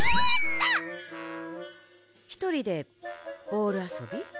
ひとりでボールあそび？